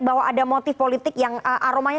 bahwa ada motif politik yang aromanya